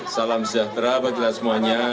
salam sejahtera bagi kita semuanya